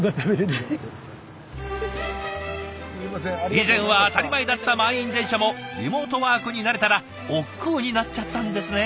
以前は当たり前だった満員電車もリモートワークに慣れたらおっくうになっちゃったんですね。